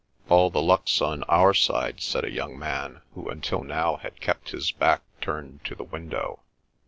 "All the luck's on our side," said a young man who until now had kept his back turned to the window.